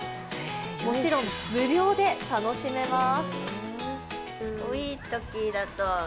もちろん無料で楽しめます。